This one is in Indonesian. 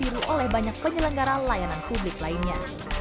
terutama dikiru oleh banyak penyelenggara layanan publik lainnya